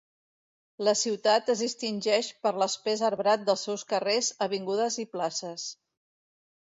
La ciutat es distingeix per l'espès arbrat dels seus carrers, avingudes i places.